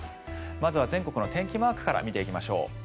まずは全国の天気マークから見ていきましょう。